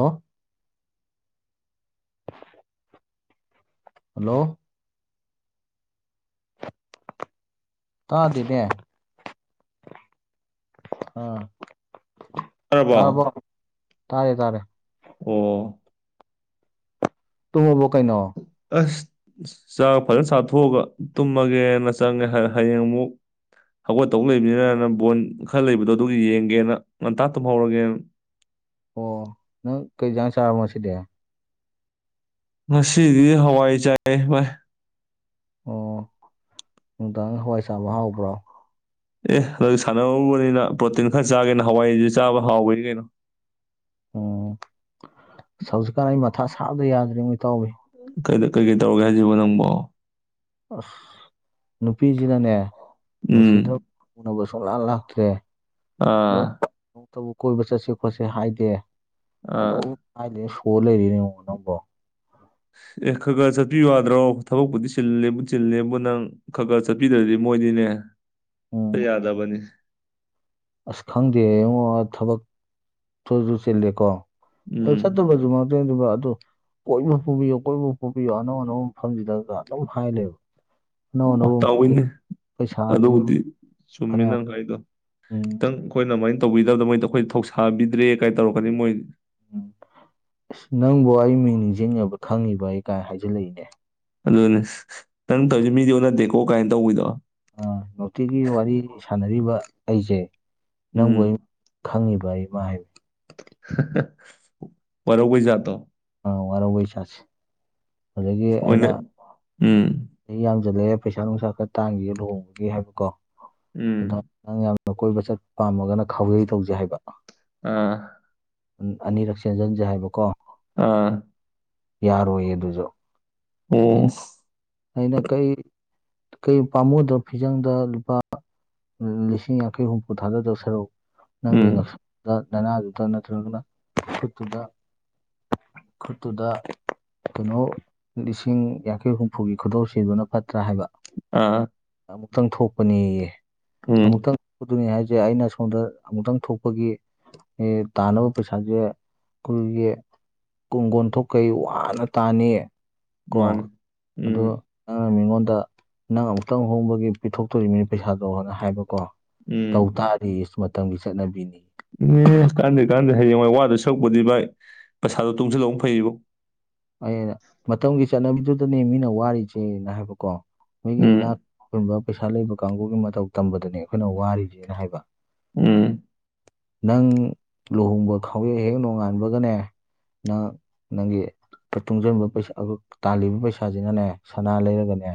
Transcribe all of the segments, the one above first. ꯑꯣ ꯍꯜꯂꯣ ꯇꯥꯗꯦꯃꯦ ꯑꯥ ꯇꯔꯕꯣ ꯆꯥꯔꯕꯣ ꯇꯥꯔꯦ ꯇꯥꯔꯦ ꯑꯣ ꯇꯣꯕꯨ ꯀꯩꯅꯣ ꯑꯁ ꯆꯥꯛ ꯐꯖꯅꯥ ꯆꯥꯊꯣꯛ ꯑꯒ ꯇꯨꯝꯃꯒꯦꯅ ꯆꯪꯉꯦ ꯍꯌꯦꯡ ꯑꯃꯨꯛ ꯍꯧꯒꯠ ꯇꯧꯕ ꯂꯩꯕꯅꯤꯅꯅꯥ ꯕꯣꯟ ꯈꯔ ꯂꯩꯕꯗꯣ ꯑꯗꯨ ꯌꯦꯡꯒꯦꯅ ꯉꯟꯇꯥ ꯇꯨꯝꯍꯧꯔꯒꯦꯅ ꯑꯣ ꯅꯪ ꯀꯩ ꯖꯥꯡ ꯆꯔꯕꯥ ꯉꯁꯤꯗꯤ ꯉꯁꯤꯗꯤ ꯍꯋꯥꯏ ꯆꯥꯏꯌꯦ ꯕꯥꯏ ꯑꯣ ꯅꯨꯡꯗꯥꯡꯗ ꯍꯋꯥꯏ ꯆꯥꯕ ꯍꯥꯎꯕ꯭ꯔꯣ ꯑꯦ ꯑꯗꯨꯗꯤ ꯁꯥꯟꯅꯔꯕꯅꯤꯅ ꯄ꯭ꯔꯣꯇꯤꯟ ꯈꯔ ꯆꯥꯒꯦꯅ ꯍꯋꯥꯏꯁꯨ ꯆꯥꯕ ꯍꯥꯎꯕꯅꯤ ꯀꯩꯅꯣ ꯎꯝ ꯑꯁ ꯍꯧꯖꯤꯛꯀꯥꯟ ꯑꯩ ꯃꯊꯥ ꯁꯥꯕꯗ ꯌꯥꯗ꯭ꯔꯤꯉꯣ ꯢꯇꯥꯎꯕꯤ ꯀꯩ ꯀꯩ ꯇꯧꯔꯒꯦ ꯍꯥꯏꯁꯤꯕꯣ ꯅꯪꯕꯨ ꯑꯁ ꯅꯨꯄꯤꯁꯤꯅꯅꯦ ꯎꯝ ꯅꯨꯡꯁꯤꯗ ꯎꯅꯕꯨ ꯁꯨꯡꯂꯥꯛ ꯂꯥꯛꯇ꯭ꯔꯦ ꯑꯥ ꯇ ꯀꯣꯏꯕ ꯆꯠꯁꯤ ꯈꯣꯠꯁꯤ ꯍꯥꯏꯗꯦ ꯑꯥ ꯑꯗꯨꯝ ꯍꯥꯏꯗꯦ ꯁꯣꯜ ꯂꯩꯔꯦꯅꯦ ꯅꯪꯕꯨ ꯑꯦ ꯈꯔ ꯈꯔ ꯆꯠꯄꯤꯌꯨ ꯌꯥꯗ꯭ꯔꯣ ꯊꯕꯛꯄꯨꯗꯤ ꯆꯤꯜꯂꯦꯕꯨ ꯆꯤꯜꯂꯦꯕꯨ ꯅꯪ ꯈꯔ ꯈꯔ ꯆꯠꯄꯤꯗ꯭ꯔꯗꯤ ꯃꯣꯏꯗꯤꯅꯦ ꯎꯝ ꯌꯥꯗꯕꯅꯤ ꯑꯁ ꯈꯪꯗꯦꯉꯣ ꯊꯕꯛꯇꯁꯨ ꯆꯤꯜꯂꯦꯀꯣ ꯑꯗꯨ ꯎꯝ ꯆꯠꯇꯕꯁꯨ ꯑꯗꯨꯒ ꯑꯗꯨ ꯀꯣꯏꯕ ꯄꯨꯕꯤꯌꯣ ꯀꯣꯏꯕ ꯄꯨꯕꯤꯌꯣ ꯑꯅꯧ ꯑꯅꯧꯕ ꯃꯐꯝꯁꯤꯗꯒ ꯑꯗꯨꯝ ꯍꯥꯏꯂꯩꯕ ꯑꯣ ꯇꯥꯎꯋꯤꯅꯦ ꯄꯩꯁꯥꯁꯤ ꯑꯗꯨꯕꯨꯗꯤ ꯆꯨꯝꯃꯤ ꯐꯅꯌꯥꯝ ꯅꯪ ꯍꯥꯏꯗꯣ ꯎꯝ ꯈꯤꯇꯪ ꯑꯩꯈꯣꯏꯅ ꯑꯗꯨꯃꯥꯏꯅ ꯇꯧꯕꯤꯗꯕꯗ ꯃꯣꯏꯗ ꯑꯩꯈꯣꯏ ꯊꯧꯁꯥꯕꯤꯗ꯭ꯔꯦ ꯀꯥꯏꯅ ꯇꯧꯔꯛꯀꯅꯤ ꯃꯣꯏ ꯎꯝ ꯑꯁ ꯅꯪꯕꯨ ꯑꯩ ꯃꯤꯡ ꯅꯤꯡꯁꯤꯡꯉꯕ ꯈꯪꯉꯤꯕ ꯑꯩ ꯀꯥꯏ ꯍꯥꯏꯖꯤꯜꯂꯛꯏꯅꯦ ꯑꯗꯨꯅꯦ ꯅꯪ ꯇꯧꯔꯤꯁꯦ ꯃꯤꯗꯤ ꯑꯣꯟꯅꯗꯦꯀꯣ ꯀꯥꯏꯅ ꯇꯧꯕꯤꯗꯣ ꯅꯨꯡꯇꯤꯒꯤ ꯋꯥꯔꯤ ꯁꯥꯟꯅꯔꯤꯕ ꯑꯩꯁꯦ ꯅꯪꯕꯨ ꯎꯝ ꯈꯪꯉꯤꯕ ꯑꯩꯃ ꯍꯥꯏꯕ ꯋꯥꯔꯧꯕꯩ ꯖꯠꯇꯣ ꯋꯥꯔꯧꯕꯩ ꯖꯠꯁꯦ ꯑꯗꯨꯗꯒꯤ ꯑꯩꯅ ꯑꯣꯏꯅ ꯎꯝ ꯆꯥꯁꯤ ꯌꯥꯝꯖꯜꯂꯛꯑꯦ ꯄꯩꯁꯥ ꯅꯨꯡꯁꯥ ꯈꯔ ꯇꯥꯡꯒꯤꯒꯦꯅ ꯂꯨꯍꯣꯡꯕꯒꯤ ꯍꯥꯏꯕꯀꯣ ꯎꯝ ꯑꯗ ꯅꯪ ꯌꯥꯝꯅ ꯀꯣꯏꯕ ꯆꯠꯄ ꯄꯥꯝꯃꯒꯅ ꯈꯥꯎꯌꯩ ꯇꯧꯖꯦ ꯍꯥꯏꯕ ꯑꯥ ꯑꯅꯤꯔꯛ ꯆꯦꯟꯖꯟꯁꯦ ꯍꯥꯏꯕꯀꯣ ꯑꯥ ꯌꯥꯔꯣꯏꯌꯦ ꯑꯗꯨꯁꯨ ꯑꯩꯅ ꯎꯝ ꯑꯩꯅ ꯀꯩ ꯀꯩ ꯄꯥꯝꯃꯣꯗ ꯐꯤꯖꯪꯗ ꯂꯨꯄꯥ ꯂꯤꯁꯤꯡ ꯌꯥꯡꯈꯩ ꯍꯨꯝꯐꯨ ꯊꯥꯗꯗꯧ ꯁꯔꯨꯛ ꯅꯪꯒꯤ ꯎꯝ ꯉꯛꯁꯝꯗ ꯅꯅꯥꯗꯨꯗ ꯑꯗꯨ ꯅꯠꯇ꯭ꯔꯒꯅꯥ ꯈꯨꯠꯇꯨꯗ ꯈꯨꯠꯇꯨꯗ ꯀꯩꯅꯣ ꯂꯤꯁꯤꯡ ꯌꯥꯡꯈꯩ ꯍꯨꯝꯐꯨ ꯍꯨꯝꯐꯨꯒꯤ ꯈꯨꯗꯣꯞ ꯁꯤꯕꯅ ꯐꯠꯇ꯭ꯔꯥ ꯍꯥꯏꯕ ꯑꯥ ꯑꯃꯨꯛꯇꯪ ꯊꯣꯛꯄꯅꯦꯌꯦ ꯎꯝ ꯑꯃꯨꯛꯇꯪ ꯑꯗꯨꯅꯦ ꯍꯥꯏꯁꯦ ꯑꯩꯅ ꯑꯁꯣꯝꯗ ꯑꯃꯨꯛꯇꯪ ꯊꯣꯛꯄꯒꯤ ꯇꯥꯅꯕ ꯄꯩꯁꯥꯁꯦ [unintelligible] ꯀꯨꯡꯒꯣꯟ ꯊꯣꯛꯈꯩ ꯋꯥꯅ ꯇꯥꯅꯤ ꯀꯣ ꯃꯥꯅꯦ ꯑꯗꯣ ꯅꯪꯅ ꯃꯤꯉꯣꯟꯗ ꯅꯪ ꯑꯃꯨꯛꯇꯪ ꯍꯣꯡꯕꯒꯤ ꯄꯤꯊꯣꯛꯇꯣꯅꯤ ꯄꯩꯁꯥꯗꯣ ꯍꯥꯏꯅ ꯍꯥꯏꯕꯀꯣ ꯎꯝ ꯇꯧ ꯇꯥꯔꯗꯤ ꯏꯁ ꯃꯇꯥꯝꯒꯤ ꯆꯠꯅꯕꯤꯅꯤ ꯑꯦ ꯀꯥꯟꯅꯗꯦ ꯀꯥꯟꯅꯗꯦ ꯍꯩꯌꯦꯡꯋꯥꯏ ꯋꯥꯗꯣꯏ ꯁꯔꯨꯛꯄꯨꯗꯤ ꯚꯥꯏ ꯄꯩꯁꯥꯗꯣ ꯇꯨꯡꯁꯤꯜꯍꯧꯕꯅ ꯐꯩꯕꯣ ꯑꯩꯅ ꯃꯇꯝꯒꯤ ꯆꯠꯅꯕꯤꯗꯨꯗꯅꯤ ꯃꯤꯅ ꯋꯥꯔꯤꯕꯁꯦꯅ ꯍꯥꯏꯕꯀꯣ ꯃꯤꯒꯤ ꯎꯝ ꯏꯅꯥꯛ ꯑꯩꯅ ꯄꯩꯁꯥ ꯂꯩꯕ ꯀꯥꯡꯕꯨꯒꯤ ꯃꯇꯧ ꯇꯝꯕꯗꯨꯅꯦ ꯑꯩꯈꯣꯏꯅ ꯋꯥꯔꯤꯁꯦꯅ ꯍꯥꯏꯕ ꯎꯝ ꯅꯪ ꯂꯨꯍꯣꯡꯕ ꯈꯥꯎꯌꯩ ꯍꯦꯛ ꯅꯣꯡꯉꯥꯟꯕꯒꯅꯦ ꯅꯪ ꯅꯪꯒꯤ ꯇꯨꯡꯁꯤꯟꯕ ꯄꯩꯁꯥ ꯇꯥꯜꯂꯤꯕ ꯄꯩꯁꯥꯖꯤꯅꯅꯦ ꯁꯅꯥ ꯂꯩꯔꯒꯅꯦ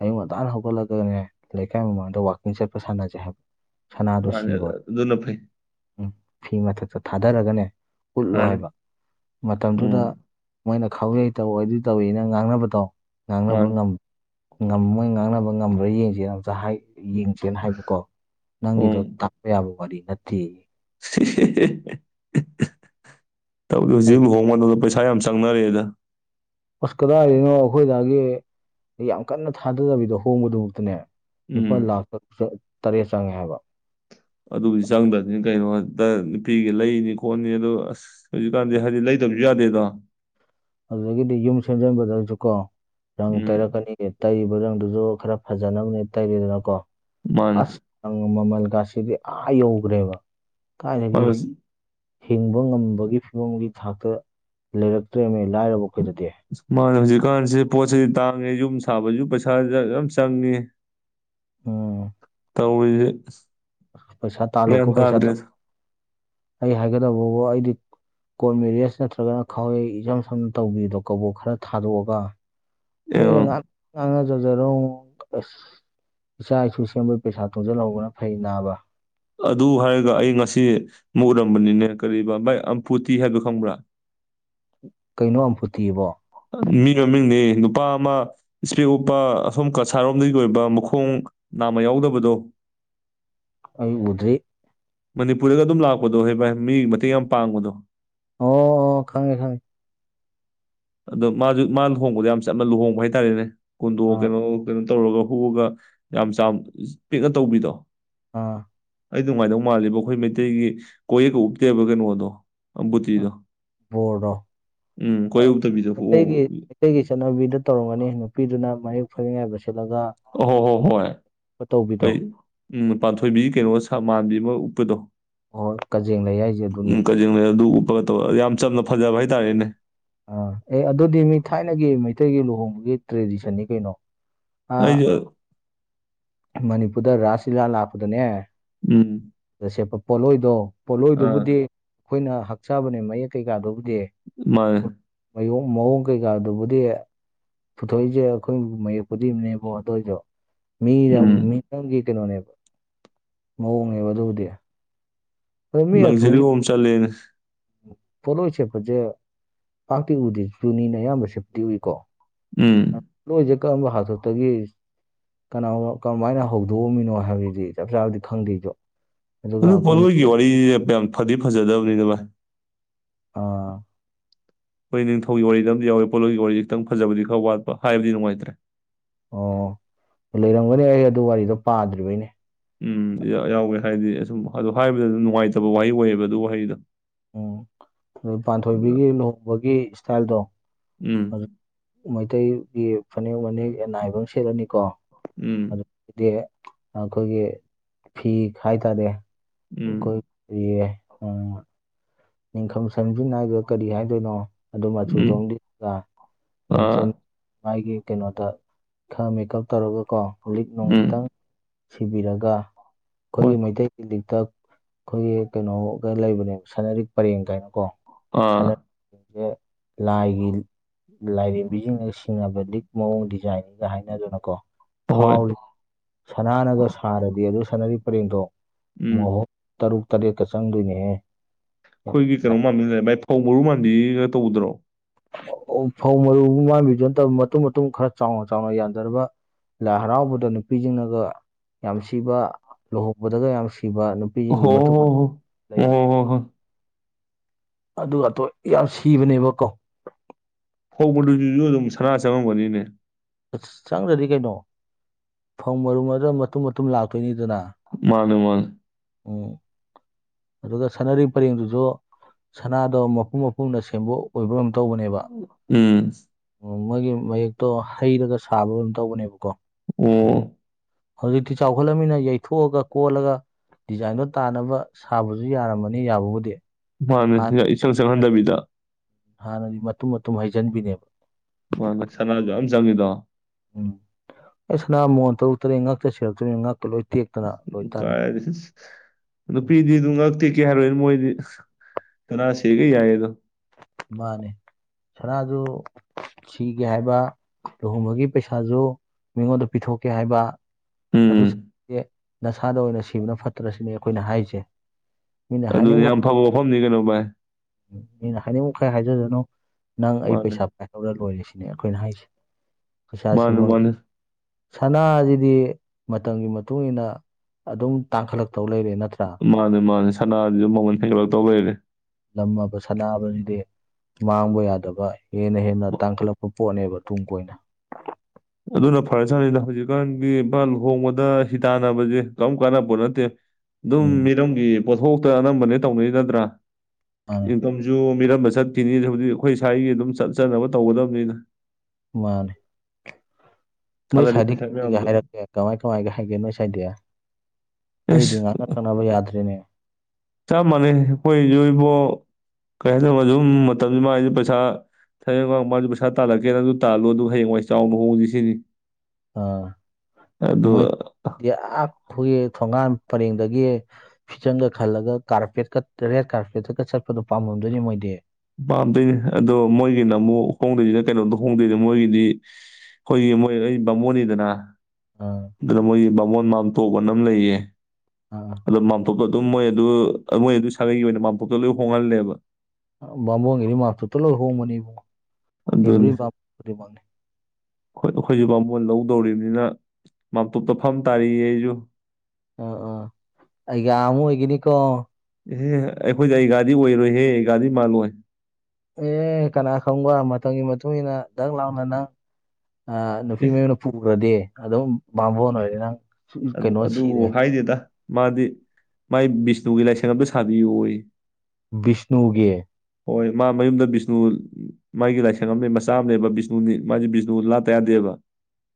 ꯑꯌꯨꯛ ꯉꯟꯇꯥꯥꯟꯅ ꯍꯧꯒꯠꯂꯒꯅꯦ ꯂꯩꯀꯥꯏ ꯃꯃꯥꯡꯗ ꯋꯥꯛꯀꯤꯡ ꯆꯠꯄ ꯁꯥꯟꯅꯖꯦ ꯍꯥꯏꯕ ꯁꯅꯥꯗꯣ ꯃꯥꯅꯤ ꯁꯤꯑꯣ ꯑꯗꯨꯅ ꯐꯩ ꯎꯝ ꯐꯤ ꯃꯊꯛꯇ ꯊꯥꯗꯔꯒꯅꯦ ꯎꯠꯂꯣ ꯃꯥꯅꯤ ꯍꯥꯏꯕ ꯃꯇꯝꯗꯨꯗ ꯎꯝ ꯃꯣꯏꯅ ꯈꯥꯎꯌꯩ ꯇꯧꯏ ꯑꯗꯨ ꯇꯧꯋꯤꯅ ꯉꯥꯡꯅꯕ ꯗꯣ ꯉꯥꯡꯅꯕ ꯃꯥꯅꯤ ꯉꯝ ꯉꯝ ꯃꯣꯏ ꯉꯥꯡꯅꯕ ꯉꯝꯃꯣꯏ ꯌꯦꯡꯁꯦ ꯑꯝꯇ ꯍꯥꯏ ꯌꯦꯟ ꯆꯦꯅ ꯍꯥꯏꯕꯀꯣ ꯅꯪꯒꯤꯗꯣ ꯎꯝ ꯇꯥꯛꯄ ꯌꯥꯕ ꯋꯥꯔꯤ ꯅꯠꯇꯦ ꯇꯧꯗꯣꯏ ꯁꯦ ꯑꯩ ꯃꯑꯣꯡ ꯃꯗꯨꯒ ꯄꯩꯩꯁ [unintelligible] ꯌꯥꯝ ꯆꯪꯅꯔꯦꯗ ꯑꯁ ꯀꯗꯥꯏꯗꯩꯩꯅꯣ ꯑꯩꯈꯣꯏꯗꯥꯒꯤ ꯌꯥꯝ ꯀꯟꯅ ꯊꯥꯗꯗꯕꯤꯗ ꯍꯣꯡꯕꯗꯨꯕꯨꯛꯇꯅꯦ ꯎꯝ ꯂꯨꯄꯥ ꯂꯥꯛ ꯇꯔꯦꯠ ꯆꯪꯉꯦ ꯍꯥꯏꯕ ꯑꯗꯨꯕꯨꯗꯤ ꯆꯪꯗ꯭ꯔꯅꯤꯅ ꯀꯩꯅꯣꯗ ꯅꯨꯄꯤꯒꯤ ꯂꯩꯅꯤ ꯈꯣꯠꯅꯤ ꯑꯗꯨ ꯑꯁ ꯍꯧꯖꯤꯛꯀꯥꯟꯗꯤ ꯍꯥꯏꯗꯤ ꯂꯩꯗꯕꯁꯨ ꯌꯥꯗꯦꯗꯣ ꯑꯗꯨꯗꯒꯤꯗꯤ ꯌꯨꯝ ꯁꯦꯝꯖꯤꯟꯕꯗ ꯖꯨꯀꯣ ꯔꯡ ꯎꯝ ꯇꯩꯔꯛꯀꯅꯤ ꯇꯩꯔꯤꯕ ꯔꯡꯗꯨꯁꯨ ꯈꯔ ꯐꯖꯅꯕꯅꯦ ꯇꯩꯔꯤꯗꯅꯀꯣ ꯃꯥꯅꯦ ꯑꯁ ꯃꯃꯜꯒꯁꯤꯗꯤ ꯑꯥ ꯌꯧꯈ꯭ꯔꯦꯕ ꯀꯥꯏꯗꯒꯤ ꯃꯥꯅꯦ ꯍꯤꯡꯕ ꯉꯝꯕꯒꯤ ꯐꯤꯕꯝꯒꯤ ꯊꯥꯛꯇ ꯂꯩꯔꯛꯇ꯭ꯔꯦꯅꯦ ꯂꯥꯏꯔꯕ ꯑꯩꯈꯣꯏꯗꯗꯤ ꯃꯥꯅꯦ ꯍꯧꯖꯤꯛꯀꯥꯟꯁꯦ ꯄꯣꯠꯁꯤ ꯇꯥꯡꯉꯦ ꯌꯨꯝ ꯁꯥꯕꯁꯨ ꯄꯩꯁꯥ ꯌꯥꯝ ꯆꯪꯅꯤ ꯎꯝ ꯇꯧꯔꯤꯁꯦ ꯄꯩꯁꯥ ꯒ꯭ꯌꯥꯟ ꯇꯥꯜꯂꯨꯀꯣ ꯄꯩꯁꯥ ꯇꯥꯗ꯭ꯔꯦꯗ ꯑꯩ ꯍꯥꯏꯒꯗꯕꯕꯨ ꯑꯩꯗꯤ ꯀꯣꯔ ꯃꯦꯔꯤꯁ ꯅꯠꯇ꯭ꯔꯒꯅ ꯈꯥꯎꯩ ꯏ ꯏꯁꯆꯝ ꯁꯝꯅ ꯇꯧꯕꯤꯗꯣ ꯀꯧꯕꯣꯛ ꯈꯔ ꯊꯥꯗꯣꯛꯑꯒ ꯑ ꯅꯣꯏꯒꯤꯗꯣ ꯉꯥꯍꯛ ꯉꯥꯡꯅꯖꯖꯔꯣ ꯑꯁ ꯏꯆꯥ ꯏꯁꯨ ꯁꯦꯝꯕꯒꯤ ꯄꯩꯁꯥ ꯇꯣꯡꯖꯤꯜꯍꯧꯕꯅ ꯐꯩ ꯅꯥꯕ ꯑꯗꯨ ꯍꯥꯏꯔꯒ ꯑꯩ ꯉꯁꯤ ꯑꯃꯨꯛ ꯎꯔꯝꯕꯅꯤꯅꯦ ꯀꯔꯤꯕ ꯚꯥꯏ ꯑꯝꯄꯨꯇꯤ ꯍꯥꯏꯕꯗꯣ ꯈꯪꯕ꯭ꯔꯥ ꯀꯩꯅꯣ ꯑꯃꯐꯨꯠꯇꯤꯕꯣ ꯃꯤ ꯃꯃꯤꯡꯅꯦ ꯅꯨꯄꯥ ꯑꯃ ꯏꯁꯄꯦꯛ ꯎꯞꯄ ꯑꯁꯣꯝ ꯀꯁꯥꯔ ꯔꯣꯝꯗꯒꯤ ꯑꯣꯏꯕ ꯃꯈꯣꯡ ꯅꯥꯝꯃ ꯌꯥꯎꯗꯕꯗꯣ ꯑꯩ ꯎꯗ꯭ꯔꯤ ꯃꯅꯤꯄꯨꯔꯗꯒ ꯑꯗꯨꯝ ꯂꯥꯛꯄꯗꯣ ꯍꯦ ꯚꯥꯏ ꯃꯤꯒꯤ ꯃꯇꯦꯡ ꯌꯥꯝ ꯄꯥꯡꯕꯗꯣ ꯑꯣ ꯑꯣ ꯈꯪꯉꯦ ꯈꯪꯉꯦ ꯑꯗꯣ ꯃꯥꯖꯨ ꯃꯥ ꯂꯨꯍꯣꯡꯕꯗ ꯌꯥꯝ ꯆꯞꯅ ꯂꯨꯍꯣꯡꯕ ꯍꯥꯏꯇꯥꯥꯔꯦꯅꯦ ꯀꯨꯟꯗꯣ ꯑꯥ ꯀꯩꯅꯣ ꯀꯩꯅꯣ ꯇꯧꯔꯒ ꯍꯨꯛꯑꯒ ꯌꯥꯝ ꯆꯥꯝ ꯄꯤꯛꯅ ꯇꯧꯕꯤꯗꯣ ꯑꯥ ꯑꯩꯗꯤ ꯅꯨꯡꯉꯥꯏꯗꯧ ꯃꯥꯜꯂꯤꯕ ꯑꯩꯈꯣꯏ ꯃꯩꯇꯩꯒꯤ ꯀꯣꯌꯦꯠꯀ ꯎꯞꯇꯦꯕ ꯀꯩꯅꯣꯗꯣ ꯑꯕꯨꯨꯇꯤꯗꯣ ꯕꯣꯔꯗꯣ ꯎꯝ ꯀꯣꯏꯌꯦꯠ ꯃꯩꯇꯩꯒꯤ ꯃꯩꯇꯩꯒꯤ ꯆꯠꯅꯕꯤꯗ ꯇꯧꯔꯝꯒꯅꯤ ꯅꯨꯄꯤꯗꯨꯅ ꯃꯌꯦꯛ ꯐꯅꯦꯛꯅꯥꯏꯕ ꯁꯦꯠꯂꯒ ꯑꯣꯍꯣ ꯍꯣ ꯇꯧꯕꯤꯗꯣ ꯍꯣꯏ ꯎꯝ ꯄꯥꯟꯊꯣꯏꯕꯤ ꯀꯩꯅꯣ ꯁꯥ ꯃꯥꯟꯕꯤ ꯑꯃꯥ ꯎꯞꯄꯗꯣ ꯍꯣꯏ ꯀꯖꯦꯡ ꯂꯩ ꯍꯥꯏꯁꯦ ꯎꯝ ꯑꯗꯨꯅꯤꯅꯦ ꯀꯖꯦꯡꯂꯩ ꯑꯗꯨ ꯎꯄꯒ ꯇꯧ ꯌꯥꯝ ꯆꯝꯅ ꯐꯖꯕ ꯍꯥꯏꯇꯥꯔꯦꯅꯦ ꯑꯥ ꯑꯦ ꯑꯗꯨꯗꯤ ꯃꯤ ꯊꯥꯏꯅꯒꯤ ꯃꯩꯇꯩꯒꯤ ꯂꯨꯍꯣꯡꯕꯒꯤ ꯇ꯭ꯔꯦꯗꯤꯁꯟꯅꯤ ꯀꯩꯅꯣ ꯑꯩꯁꯨ ꯑꯥ ꯃꯅꯤꯄꯨꯔꯗ ꯔꯥꯁ ꯂꯤꯂꯥ ꯂꯥꯛꯄꯗꯅꯦ ꯎꯝ ꯁꯦꯠꯄ ꯄꯣꯠꯂꯣꯏꯗꯣ ꯑꯥ ꯄꯣꯠꯂꯣꯏꯗꯨꯕꯨꯗꯤ ꯑꯩꯈꯣꯏꯅ ꯍꯛꯆꯥꯕꯅꯦ ꯃꯌꯦꯛ ꯀꯩꯀꯥꯗꯨꯕꯨꯗꯤ ꯃꯥꯅꯤ ꯐꯨꯠ- ꯃꯌꯣꯡ ꯃꯑꯣꯡ ꯀꯩꯀꯥꯗꯨꯕꯨꯗꯤ ꯄꯨꯊꯣꯛꯏꯁꯦ ꯑꯩꯈꯣꯏ ꯃꯌꯦꯛꯄꯨꯗꯤꯅꯦꯀꯣ ꯑꯗꯣꯏꯖꯨ ꯃꯤꯒꯤꯅ ꯎꯝ ꯃꯤꯔꯝꯒꯤ ꯀꯩꯅꯣꯅꯦꯕ ꯃꯑꯣꯡꯅꯦꯕ ꯑꯗꯨꯕꯨꯗꯤ ꯑꯗꯣ ꯃꯤ ꯑꯊꯣꯝꯒꯤ ꯂꯛꯖꯔꯤꯑꯣꯝ ꯆꯠꯂꯦꯅꯦ ꯄꯣꯠꯂꯣꯏ ꯁꯦꯠꯄꯖꯦ ꯄꯥꯛꯇꯤ ꯎꯗꯦ ꯆꯨꯅꯤꯅ ꯑꯌꯥꯝꯕ ꯁꯦꯠꯞꯇꯤ ꯎꯏꯀꯣ ꯎꯝ ꯄꯣꯠꯂꯣꯏꯖꯦ ꯀꯔꯝꯕ ꯍꯥꯇꯛꯇꯒꯤ ꯀꯅꯥꯒꯨꯝꯕ ꯀꯃꯥꯏꯟꯅ ꯍꯧꯗꯣꯛꯑꯃꯤꯅꯣ ꯍꯥꯏꯕꯗꯨꯗꯤ ꯆꯞ ꯆꯥꯕꯗꯤ ꯈꯪꯗꯦ ꯑꯩꯖꯨ ꯑꯗꯨ ꯄꯣꯠꯂꯣꯏꯒꯤ ꯋꯥꯔꯤ ꯌꯥꯝ ꯐꯥꯗꯤ ꯐꯥꯖꯗꯕꯅꯤꯗ ꯚꯥꯏ ꯑꯥ ꯑꯩꯈꯣꯏ ꯅꯤꯡꯊꯧꯒꯤ ꯋꯥꯔꯤꯗ ꯑꯃꯥꯗꯤ ꯌꯥꯎꯋꯦ ꯄꯣꯠꯂꯣꯏꯒꯤ ꯋꯥꯔꯤ ꯈꯤꯛꯇꯪ ꯐꯥꯖꯕꯗꯤ ꯈꯔ ꯋꯥꯠꯄ ꯍꯥꯏꯕꯗꯤ ꯅꯨꯡꯉꯥꯏꯇ꯭ꯔꯦ ꯑꯣ ꯂꯩꯔꯝꯒꯅꯤ ꯑꯩ ꯑꯗꯨ ꯋꯥꯔꯤꯗꯣ ꯄꯥꯗ꯭ꯔꯤꯕꯩꯅꯦ ꯎꯝ ꯌꯥ ꯌꯥꯎꯌꯦ ꯍꯥꯏꯗꯤ ꯑꯁꯨꯝ ꯑꯥ ꯑꯗꯨꯝ ꯍꯥꯏꯕꯗ ꯑꯗꯨꯝ ꯅꯨꯡꯉꯥꯏꯇꯕ ꯋꯥꯍꯩ ꯑꯣꯏꯌꯦꯕ ꯑꯗꯨ ꯋꯥꯍꯩꯗꯣ ꯎꯝ ꯑꯗꯨꯅ ꯄꯥꯟꯊꯣꯏꯕꯤꯒꯤ ꯂꯨꯍꯣꯡꯕꯒꯤ ꯏꯁꯇꯥꯏꯜꯗꯣ ꯎꯝ ꯍꯧꯖꯤꯛ ꯃꯩꯇꯩꯒꯤ ꯐꯥꯅꯦꯛ ꯃꯅꯦꯛ ꯅꯥꯏꯕ ꯑꯃꯥ ꯁꯦꯠꯂꯅꯤꯀꯣ ꯑꯗꯨ ꯎꯝ ꯗꯦ ꯑꯩꯈꯣꯏꯒꯤ ꯐꯤ ꯈꯥꯏꯇꯥꯔꯦ ꯎꯝ ꯑꯩꯈꯣꯏ ꯎꯏꯌꯦ ꯎꯝ ꯅꯤꯡꯈꯝ ꯁꯝꯖꯤꯟ ꯍꯥꯏꯕ ꯀꯔꯤ ꯍꯥꯏꯗꯣꯏꯅꯣ [unintelligible] ꯃꯆꯨ ꯎꯝ ꯗꯣꯝꯗꯤ ꯄꯥ ꯉꯛꯁꯝ ꯑꯥ ꯃꯥꯏꯒꯤ ꯀꯩꯅꯣꯗ ꯈꯔ ꯃꯦꯀꯞ ꯇꯧꯔꯒꯀꯣ ꯂꯤꯛ ꯅꯣꯡ ꯎꯝ ꯈꯤꯇꯪ ꯁꯤꯕꯤꯔꯒ ꯍꯣꯏ ꯑꯩꯈꯣꯏꯒꯤ ꯃꯩꯇꯩ ꯂꯤꯛꯇ ꯑꯩꯈꯣꯏꯒꯤ ꯀꯩꯅꯣꯒ ꯂꯩꯕꯅꯦꯕ ꯁꯅꯔꯤꯛ ꯄꯔꯦꯡꯒꯥꯏꯅ ꯀꯣ ꯑꯥ ꯁꯅꯔꯤꯛ ꯁꯦ ꯂꯥꯏꯒꯤ ꯂꯥꯏꯔꯦꯝꯕꯤꯁꯤꯡꯅꯒ ꯁꯤꯅꯕ ꯂꯤꯛ ꯃꯑꯣꯡ ꯗꯤꯖꯥꯏꯟꯅꯤꯒ ꯍꯥꯏꯅꯗꯅꯀꯣ ꯍꯣꯏ ꯐꯥꯎꯔꯤ ꯁꯅꯥꯅꯒ ꯁꯥꯔꯗꯤ ꯑꯗꯨ ꯁꯅꯥꯔꯤꯛ ꯄꯔꯦꯡꯗꯣ ꯎꯝ ꯃꯍꯣꯔ ꯇꯔꯨꯛ ꯇꯔꯦꯠꯇ ꯆꯪꯗꯣꯏꯅꯦꯍꯦ ꯑꯩꯈꯣꯏꯒꯤ ꯀꯩꯅꯣ ꯃꯥꯟꯕꯤ ꯂꯩꯔꯝꯃꯦ ꯐꯧ ꯃꯔꯨ ꯃꯥꯟꯕꯤꯒ ꯇꯧꯕꯗꯨꯔꯣ ꯑꯧ ꯐꯧ ꯃꯔꯨ ꯃꯥꯟꯕꯤꯗꯨ ꯅꯠꯇꯕ ꯃꯇꯨꯝ ꯃꯇꯨꯝ ꯈꯔ ꯆꯥꯎꯅ ꯆꯥꯎꯅ ꯌꯥꯟꯗꯔꯒ ꯂꯥꯏ ꯍꯔꯥꯎꯕꯗ ꯅꯨꯄꯤꯁꯤꯡꯅꯒ ꯌꯥꯝ ꯁꯤꯕ ꯂꯨꯍꯣꯡꯕꯗꯒ ꯌꯥꯝ ꯁꯤꯕ ꯄꯤꯒꯤ ꯍꯣ ꯃꯊꯨꯞ ꯍꯣ ꯃꯊꯨꯞ ꯍꯣ ꯑꯣ ꯂꯩꯕꯅꯦ ꯍꯣ ꯍꯣ ꯍꯣꯏ ꯑꯗꯨꯒꯇꯣ ꯌꯥꯝ ꯁꯤꯕꯅꯦꯕ ꯀꯣ ꯐꯧ ꯃꯔꯨꯗꯨꯁꯨ ꯑꯗꯨꯝ ꯁꯅꯥ ꯆꯪꯉꯝꯒꯅꯤꯅꯦꯃꯤ ꯑꯁ ꯆꯪꯗꯗꯤ ꯀꯩꯅꯣ ꯐꯪ ꯃꯔꯨ ꯍꯥꯏꯔ ꯃꯇꯨꯝ ꯃꯇꯨꯝ ꯂꯥꯛꯇꯣꯏꯅꯤꯗꯅ ꯃꯥꯅꯤ ꯃꯥꯅꯤ ꯑꯝ ꯑꯗꯨꯒ ꯁꯥꯅꯔꯤꯛ ꯄꯥꯔꯦꯡꯗꯨꯁꯨ ꯁꯅꯥꯗꯣ ꯃꯄꯨꯝ ꯃꯄꯨꯝꯅ ꯁꯦꯝꯕꯣꯛ ꯑꯣꯏꯕ ꯑꯝ ꯇꯧꯕꯅꯦꯕ ꯎꯝ ꯃꯣꯏꯒꯤ ꯃꯌꯦꯛꯇꯣ ꯍꯩꯔꯒ ꯁꯥꯕ ꯀꯩꯅꯣꯝ ꯇꯧꯕꯅꯦꯕꯀꯣ ꯑꯗꯨ ꯑꯣ ꯍꯧꯖꯤꯛꯇꯤ ꯆꯥꯎꯈꯠꯂꯃꯤꯅ ꯌꯩꯊꯣꯛꯑꯒ ꯀꯣꯜꯂꯒ ꯗꯤꯖꯥꯏꯟꯗꯣ ꯇꯥꯟꯅꯕ ꯁꯥꯕꯁꯨ ꯌꯥꯔꯝꯃꯅꯤ ꯌꯥꯕꯨꯗꯤ ꯃꯥꯅꯦ ꯏꯆꯜ ꯆꯪꯍꯟꯗꯕꯤꯗ ꯍꯥꯟꯅꯗꯤ ꯃꯇꯨꯝ ꯃꯇꯨꯝ ꯍꯩꯖꯤꯟꯕꯤꯅꯦ ꯃꯥꯅꯦ ꯁꯅꯥꯁꯨ ꯌꯥꯝ ꯆꯪꯉꯤꯗꯣ ꯎꯝ ꯑꯩ ꯁꯅꯥ ꯃꯣꯟ ꯇꯔꯨꯛ ꯇꯔꯦꯠ ꯉꯛꯇ ꯁꯤꯔꯛꯇꯣꯏꯟ ꯉꯛꯀ ꯂꯣꯏ ꯇꯦꯛꯇꯅ ꯂꯣꯏ ꯎꯝ ꯇꯥꯔꯦ ꯀꯥꯏꯔꯁ ꯎꯝ ꯅꯨꯄꯤꯗꯤ ꯑꯗꯨ ꯉꯛꯇꯦꯀꯦ ꯍꯥꯏꯔꯣꯏ ꯃꯣꯏꯗꯤ ꯁꯅꯥ ꯁꯤꯔꯤꯒꯩ ꯌꯥꯏꯌꯦ ꯗꯣ ꯃꯥꯅꯦ ꯁꯅꯥꯖꯨ ꯁꯤꯒꯦ ꯍꯥꯏꯕ ꯂꯨꯍꯣꯡꯕꯒꯤ ꯄꯩꯁꯥꯖꯨ ꯃꯤꯉꯣꯟꯗ ꯄꯤꯊꯣꯛꯀꯦ ꯍꯥꯏꯕ ꯑꯗꯨ ꯎꯝ [inaudible] ꯅꯁꯥꯗ ꯑꯣꯏꯅ ꯁꯤꯕꯅ ꯐꯠꯇ꯭ꯔꯁꯤꯅꯦ ꯑꯩꯈꯣꯏꯅ ꯍꯥꯏꯁꯦ ꯑꯗꯨꯗꯤ ꯌꯥꯝ ꯐꯕ ꯋꯥꯐꯝꯅꯤ ꯀꯩꯅꯣ ꯚꯥꯏ ꯎꯝ ꯃꯤꯅ ꯍꯥꯏꯅꯤꯡ ꯃꯈꯥꯏ ꯍꯥꯏꯖꯁꯅꯨ ꯅꯪ ꯑꯩ ꯃꯥꯅꯦ ꯄꯩꯁꯥ ꯄꯥꯏ ꯂꯧꯔ ꯂꯣꯏꯔ‌ꯦ ꯁꯤꯅꯦ ꯑꯩꯈꯣꯏꯅ ꯍꯥꯏꯁꯦ ꯄꯩꯁꯥ ꯃꯥꯅꯦ ꯁꯦꯝꯕ ꯃꯥꯅꯦ ꯁꯅꯥꯁꯤꯗꯤ ꯃꯇꯝꯒꯤ ꯃꯇꯨꯡ ꯏꯟꯅ ꯑꯗꯨꯝ ꯇꯥꯡꯈꯠꯂꯛꯇꯧ ꯂꯩꯔꯦ ꯅꯠꯇ꯭ꯔꯥ ꯃꯥꯅꯦ ꯃꯥꯅꯦ ꯁꯅꯥꯗꯨꯁꯨ ꯃꯃꯟ ꯍ‌ꯦꯟꯒꯠꯂꯛꯇꯧ ꯂꯩꯔꯦ ꯂꯝ ꯑꯕ ꯁꯅꯥ ꯑꯕꯁꯤꯗꯤ ꯃꯥꯡꯕ ꯌꯥꯗꯕ ꯍꯦꯟꯅ ꯍꯦꯟꯅ ꯇꯥꯡꯈꯠꯂꯛꯄ ꯄꯣꯠꯅꯦꯕ ꯇꯨꯡ ꯀꯣꯏꯅ ꯑꯗꯨꯅ ꯐꯔꯁꯥꯠꯅꯤꯗ ꯍꯧꯖꯤꯛꯀꯥꯟꯒꯤ [unintelligible] ꯍꯣꯡꯕꯗ ꯍꯤ ꯇꯥꯟꯅꯕꯁꯦ ꯀꯝ ꯀꯥꯟꯅꯕ ꯄꯣꯠ ꯅꯠꯇꯦ ꯑꯗꯨꯝ ꯎꯝ ꯃꯤꯔꯝꯒꯤ ꯄꯣꯠꯊꯣꯛꯇ ꯑꯅꯝꯕꯅꯦ ꯇꯧꯅꯩ ꯅꯠꯗ꯭ꯔꯥ ꯃꯥꯅꯦ ꯏꯝ ꯇꯝꯁꯨ ꯃꯤꯔꯝꯗ ꯆꯠꯈꯤꯅꯤ ꯑꯗꯨꯁꯔꯨꯛꯄꯨꯗꯤ ꯑꯩꯈꯣꯏ ꯏꯁ꯭ꯋꯥꯏꯒꯤ ꯑꯗꯨꯝ ꯆꯠ ꯆꯠꯅꯕ ꯇꯧꯒꯗꯕꯅꯤꯅ ꯃꯥꯅꯦ ꯅꯣꯏ ꯊꯥꯗꯔꯤ ꯁꯥꯏꯗꯤ ꯄꯩꯁꯥ ꯀꯩꯀꯩ ꯃꯌꯥꯝꯗꯣ ꯍꯥꯏꯔꯛꯀꯦ ꯀꯃꯥꯏ ꯀꯃꯥꯏꯒ ꯍꯥꯏꯒꯦ ꯅꯣꯏ ꯁꯥꯏꯗꯤ ꯑꯦꯁ ꯑꯩꯗꯤ ꯉꯥꯡꯅ ꯁꯛꯅꯕ ꯌꯥꯗ꯭ꯔ‌ꯦꯅꯦ ꯆꯞ ꯃꯥꯟꯅꯩ ꯑꯩꯈꯣꯏꯁꯨ ꯏꯕꯣ ꯀꯔꯤ ꯍꯥꯏꯗꯧ ꯁꯨꯝ ꯃꯇꯝꯁꯤ ꯃꯥꯏ ꯄꯩꯁꯥ ꯍꯌꯦꯡꯋꯥꯏ ꯃꯥꯁꯨ ꯄꯩꯁꯥ ꯇꯥꯜꯂꯛꯀꯦ ꯅꯪꯁꯨ ꯇꯥꯜꯂꯣ ꯑꯗꯨ ꯍꯌꯦꯡꯋꯥꯏ ꯆꯥꯎꯅ ꯍꯣꯡꯁꯤ ꯁꯤꯅꯤ ꯑꯥ ꯑꯗꯣ ꯃꯣꯏꯗꯤ ꯑꯥ ꯐꯨꯏꯌ‌ꯦ ꯊꯣꯡꯒꯥꯟ ꯄꯔꯦꯡꯗꯒꯤ ꯐꯤꯖꯪꯒ ꯈꯜꯂꯒ ꯀꯥꯔꯄꯦꯠꯀ ꯔꯦꯠ ꯀꯥꯔꯄꯦꯠꯇꯀ ꯆꯠꯄꯗꯣ ꯄꯥꯝꯃꯝꯗꯣꯏꯅꯤ ꯃꯣꯏꯗꯤ ꯄꯥꯝꯗꯣꯏꯅꯦ ꯑꯗꯣ ꯃꯣꯏꯒꯤꯅ ꯑꯃꯨꯛ ꯍꯣꯡꯗꯣꯏꯁꯤꯅ ꯀꯩꯅꯣꯝꯗ ꯍꯣꯡꯗꯣꯏꯅ‌ꯦ ꯃꯣꯏꯒꯤꯗꯤ ꯈ‌ꯣꯏꯒꯤ ꯃꯣꯏ ꯑꯩ ꯕꯥꯃꯣꯟꯅꯤꯗꯅ ꯑ ꯑꯗꯨꯗ ꯃꯣꯏꯒꯤ ꯕꯥꯃꯣꯟ ꯃꯝꯇꯣꯕ ꯑꯅ ꯑꯃ ꯂꯩꯌꯦ ꯑ ꯑꯗ‌ꯣ ꯃꯥꯝꯇ‌ꯣꯞꯇ‌ꯣ ꯑꯗꯨꯝ ꯃꯣꯏ ꯑꯗꯨ ꯃꯣꯏ ꯑꯗꯨ ꯁꯥꯒꯩꯒꯤ ꯑꯣꯏꯅ ꯃꯥꯝꯇ‌ꯣꯞꯇ ꯂꯣꯏ ꯍꯣꯡꯍꯜꯂꯦꯕ ꯑ ꯕꯥꯃ‌ꯣꯟ ꯒꯤꯗꯤ ꯃꯥꯝꯇ‌ꯣꯞꯇ ꯂ‌ꯣꯏ ꯍꯣꯡꯕꯅꯤꯕ‌ꯣ ꯑꯗꯨꯅ‌ꯦ ꯍꯣꯏ ꯑꯩꯈꯣꯏꯁꯨ ꯕꯥꯃꯣꯟ ꯂꯧꯗꯧꯔꯤꯝꯅꯤꯅ ꯃꯥꯝꯇꯣꯞꯇ ꯐꯝ ꯇꯥꯔꯤꯌꯦ ꯑꯩꯖꯨ ꯑ ꯑ ꯑꯩꯒ ꯑꯃꯨꯛ ꯑꯣꯏꯒꯤꯅꯤꯀꯣ ꯑꯦꯍ‌ꯦ ꯑꯩꯈꯣꯏꯗꯤ ꯑꯩꯒꯥꯗꯤ ꯑꯣꯏꯔꯣꯏꯍꯦ ꯑꯩꯒꯥꯗꯤ ꯃꯥꯜꯂꯣꯏ ꯑꯦ ꯀꯅꯥ ꯈꯪꯕ ꯃꯇꯝꯒꯤ ꯃꯇꯨꯡ ꯏꯟꯅ ꯗꯛ ꯂꯥꯎꯅ ꯅꯪ ꯑ ꯅꯨꯄꯤ ꯃꯌꯨꯝ ꯄꯨꯈ꯭ꯔꯗꯤ ꯑꯗꯨꯝ ꯕꯥꯃ‌ꯣꯟ ꯑꯣꯏꯔꯦ ꯅꯪ ꯑ ꯀꯩꯅꯣ ꯑꯗꯨ ꯁꯤꯔꯦ ꯍꯥꯏꯗꯦꯗ ꯃꯥꯗꯤ ꯃꯥꯏ ꯕꯤꯁꯅꯨꯒꯤ ꯂꯥꯏꯁꯪ ꯑꯝꯇ ꯁꯥꯕꯤꯌꯣꯌ‌ꯦ ꯕꯤꯁꯅꯨꯒꯤ ꯍꯣꯏ ꯃꯥ ꯃꯌꯨꯝꯗ ꯕꯤꯁꯅꯨ ꯃꯥꯒꯤ ꯂꯥꯏꯁꯪ ꯑꯝꯅꯦ ꯃꯆꯥ ꯑꯝ ꯂꯩꯕ ꯕꯤꯁꯅꯨꯅꯤ ꯃꯥꯗꯤ ꯕꯤꯁꯅꯨ ꯂꯥꯠ ꯌꯥꯗꯦꯕ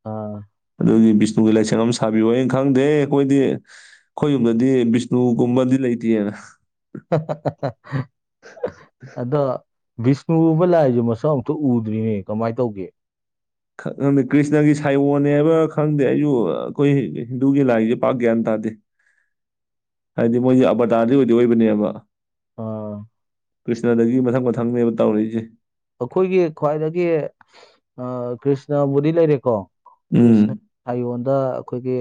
ꯑ ꯑꯗꯨꯒꯤ ꯚꯤꯁꯅꯨꯒꯤ ꯂꯥꯏꯁꯪ ꯑꯃ ꯁꯥ [unintelligible] ꯈꯪꯗꯦ ꯑꯩꯈꯣꯏꯗꯤ ꯑꯩꯈꯣꯏ ꯌꯨꯝꯗꯗꯤ ꯕꯤꯁꯅꯨꯒꯨꯝꯕꯗꯤ ꯂꯩꯇꯦꯅ꯫ ꯑꯗꯣ ꯕꯤꯁꯅꯨꯒꯨꯝꯕ ꯂꯥꯏꯖꯦ ꯃꯁꯛ ꯑꯃꯇ ꯎꯗ꯭ꯔꯤꯅꯦ ꯀꯃꯥꯏ ꯇꯧꯒꯦ꯫ ꯈꯪꯗꯦ ꯀ꯭ꯔꯤꯁꯅꯒꯤ ꯁꯥꯏꯌꯣꯟꯅꯦ ꯍꯥꯏꯕꯥ ꯈꯪꯗꯦ ꯑꯩꯁꯨ ꯑꯩꯈꯣꯏ ꯍꯤꯟꯗꯨꯒꯤ ꯂꯥꯏꯖꯦ ꯄꯥꯛ ꯒ꯭ꯌꯥꯟ ꯇꯥꯗꯦ꯫ [inaudible] ꯍꯥꯏꯗꯤ ꯃꯣꯏꯖꯦ ꯑꯕꯔꯗꯥꯔꯗꯤ ꯑꯣꯏꯗꯤ ꯑꯣꯏꯕꯅꯦꯕ꯫ ꯑꯥ ꯀ꯭ꯔꯤꯁꯅꯗꯒꯤ ꯃꯊꯪ ꯃꯊꯪꯅꯦꯕ ꯇꯧꯔꯛꯏꯖꯦ꯫ ꯑꯩꯈꯣꯏꯒꯤ ꯈ꯭ꯋꯥꯏꯗꯒꯤ ꯑ ꯀ꯭ꯔꯤꯁꯅꯕꯨꯗꯤ ꯂꯩꯔꯦꯀꯣ ꯎꯝ ꯀ꯭ꯔꯤꯅ__ ꯁꯥꯌꯣꯟꯗ ꯑꯩꯈꯣꯏꯒꯤ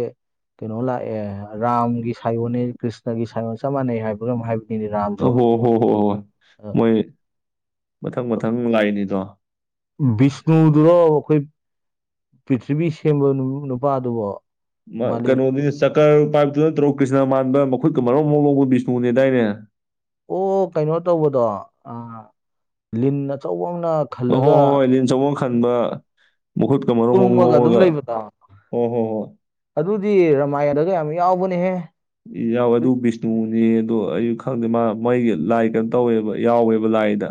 ꯀꯩꯅꯣ ꯂꯥꯛꯑꯦ ꯔꯥꯝꯒꯤ ꯁꯥꯏꯌꯣꯅꯦ ꯀ꯭ꯔꯤꯁꯅꯒꯤ ꯁꯥꯏꯌꯣꯟ ꯆꯞ ꯃꯥꯟꯅꯩ ꯍꯥꯏꯕꯒ ꯑꯃ ꯍꯥꯏꯕ__ ꯇ ꯍꯣ ꯍꯣ ꯍꯣꯏ ꯍꯣꯏ ꯑꯥ, ꯃꯣꯏ ꯃꯊꯪ ꯃꯊꯪ ꯂꯥꯛꯏꯅꯤꯗꯣ꯫ ꯕꯤꯁꯅꯨꯗꯨꯔꯣ ꯑꯩꯈꯣꯏ ꯄ꯭ꯔꯤꯊꯤꯕꯤ ꯁꯦꯝꯕ ꯅꯨꯄꯥꯗꯨꯕꯣ꯫ ꯃ ꯃꯥꯂꯦꯝ ꯁꯤꯕ ꯀꯩꯅꯣꯅꯦ ꯅꯨꯄꯥꯗꯨꯕꯣ? ꯆꯀ꯭ꯔꯔ ꯄꯥꯏꯕꯗꯨ ꯅꯠꯇ꯭ꯔꯣ ꯀ꯭ꯔꯤꯁꯅ ꯃꯥꯟꯕ ꯃꯈꯨꯠꯀ ꯃꯔꯣꯡ ꯃꯔꯣꯡ ꯂꯣꯡꯕ ꯕꯤꯁꯅꯨꯅꯦꯗꯥꯏꯅꯦ꯫ ꯑꯣ ꯀꯩꯅꯣ ꯇꯧꯕꯗꯣ ꯑ ꯂꯤꯟ ꯑꯆꯧꯕ ꯑꯃꯅ__ ꯑ ꯍꯣꯏ ꯍꯣꯏ ꯍꯣꯏ ꯂꯤꯟ ꯑꯆꯧꯕ ꯈꯟꯕ ꯃꯈꯨꯠꯀ ꯃꯔꯣꯡ ꯃꯔꯣꯡ ꯇꯨꯝꯃꯒ ꯑꯗꯨꯝ ꯂꯣꯡꯉꯒ ꯂꯩꯕꯗꯣ ꯍꯣ ꯍꯣ ꯍꯣꯏ ꯑꯗꯨꯗꯤ ꯔꯥꯃꯥꯏꯌꯟꯗꯒ ꯌꯥꯝ ꯌꯥꯎꯕꯅꯦꯍꯦ꯫ ꯌꯥꯎꯋꯦ ꯑꯗꯨ ꯕꯤꯁꯅꯨꯅꯦꯗꯣ ꯑꯩ ꯈꯪꯗꯦ ꯃꯥ ꯃꯣꯏꯒꯤ ꯂꯥꯏ ꯀꯩꯅꯣ ꯇꯧꯋꯦꯕ ꯌꯥꯎꯋꯦꯕ ꯂꯥꯏꯗ꯫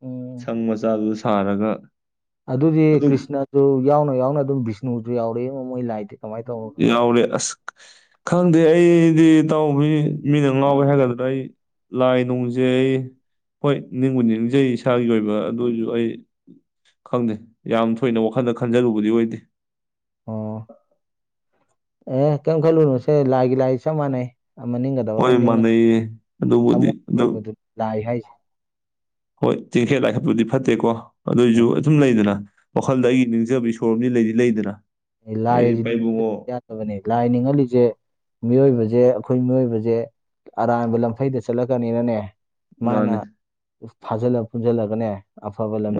ꯎꯝ ꯁꯪ ꯃꯆꯥꯗꯨ ꯁꯥꯔꯒ ꯑꯗꯨꯗꯤ ꯑꯗꯨ ꯀ꯭ꯔꯤꯁꯅꯗꯨ ꯌꯥꯎꯅ ꯌꯥꯎꯅ ꯑꯗꯨꯝ ꯕꯤꯁꯅꯨꯁꯨ ꯌꯥꯎꯔꯛꯑꯦ ꯃꯣꯏ ꯂꯥꯏꯗꯤ꯫ ꯀꯃꯥꯏꯅ ꯇꯧꯕꯅꯣ ꯈꯪꯗꯦ ꯌꯥꯎꯔꯦ ꯑꯁ ꯈꯪꯗꯦ ꯑꯩꯗꯤ ꯇꯧꯕꯤꯔꯤꯖ ꯃꯤꯅ ꯉꯥꯎꯋꯦ ꯍꯥꯏꯒꯗ꯭ꯔꯥ ꯑꯩ__ ꯂꯥꯏ ꯅꯨꯡꯖꯦ ꯑꯩ ꯍꯣꯏ ꯅꯤꯡꯕꯨꯗꯤ ꯅꯤꯡꯖꯩ ꯏꯁꯥꯒꯤ ꯑꯣꯏꯕ ꯑꯗꯨꯑꯣꯏꯖꯨ ꯑꯩ ꯈꯪꯗꯦ ꯌꯥꯝ ꯊꯣꯏꯅ ꯋꯥꯈꯟꯗ ꯈꯟꯖꯟꯂꯨꯕꯗꯤ ꯑꯣꯏꯗꯦ꯫ ꯑꯣ... ꯑꯦ ꯀꯩꯝ ꯈꯜꯂꯨꯅꯨꯁꯦ ꯂꯥꯏꯒꯤ ꯂꯥꯏ ꯆꯞ ꯃꯥꯟꯅꯩ ꯑꯃ ꯅꯤꯡꯒꯗꯕ ꯑꯃ ꯍꯣꯏ ꯅꯤꯡꯉ ꯃꯥꯟꯅꯩꯌꯦ ꯑꯗꯨꯕꯨꯗꯤ ꯊꯃꯣꯏ ꯑꯗꯨ ꯑꯣꯏꯗꯨ ꯂꯥꯏ ꯍꯥꯏꯖꯦ꯫ ꯍꯣꯏ ꯇꯤꯡꯈꯦꯠ ꯂꯥꯏꯈꯠꯄꯨꯗꯤ ꯐꯠꯇꯦꯀꯣ ꯑꯗꯨꯑꯣꯏꯖꯨ ꯎꯝ ꯑꯗꯨꯝ ꯂꯩꯗꯅ꯫ ꯋꯥꯈꯜꯗ ꯑꯩꯒꯤ ꯅꯤꯡꯖꯕꯤ ꯏꯁꯣꯔ ꯑꯃꯗꯤ ꯂꯩꯗꯤ ꯂꯩꯗꯅ꯫ ꯂꯥꯏ ꯑꯦ ꯏꯄꯥ ꯑꯖꯤꯗꯤ ꯏꯕꯨꯡꯉꯣ [unintelligible] ꯕꯅꯤ ꯂꯥꯏ ꯅꯤꯡꯍꯜꯂꯤꯖꯦ ꯃꯤꯑꯣꯏꯕꯖꯦ ꯑꯩꯈꯣꯏ ꯃꯤꯑꯣꯏꯕꯖꯦ꯫ ꯑꯔꯥꯟꯕ ꯂꯝꯐꯩꯗ ꯆꯠꯂꯛꯀꯅꯤꯅꯅꯦ ꯃꯥꯅ ꯃꯥꯅꯦ ꯃꯥꯅꯦ ꯐꯥꯖꯜꯂ ꯄꯨꯟꯖꯜꯂꯒꯅꯦ ꯑꯐꯕ ꯂꯝꯕꯤ